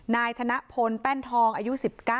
นายธนพลแป้นทองอายุ๑๙